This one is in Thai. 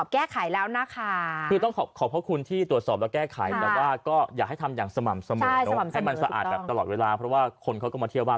แก้ไขแล้วมันจะเป็นสมัครให้มาสะอาดเรือแล้วเพราะว่าคนเขาก็มาเที่ยวบ้าน